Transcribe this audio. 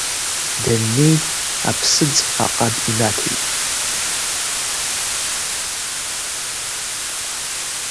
Даннеи, аԥсыӡ аҟаб инаҭеит.